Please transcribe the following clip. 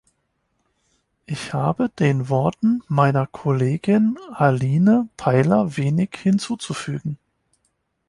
Ich habe den Worten meiner Kollegin Aline Pailler wenig hinzuzufügen.